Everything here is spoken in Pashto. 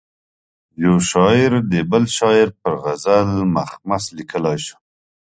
یو شاعر د بل شاعر پر غزل مخمس لیکلای شو.